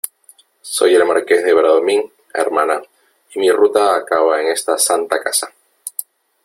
soy el Marqués de Bradomín , hermana , y mi ruta acaba en esta santa casa .